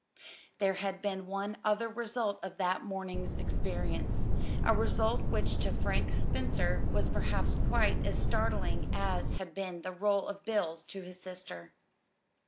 There had been one other result of that morning's experience a result which to Frank Spencer was perhaps quite as startling as had been the roll of bills to his sister.